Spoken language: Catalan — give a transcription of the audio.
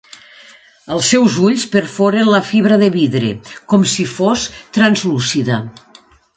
Els seus ulls perforen la fibra de vidre, com si fos translúcida.